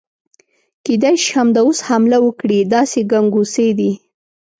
کېدای شي همدا اوس حمله وکړي، داسې ګنګوسې دي.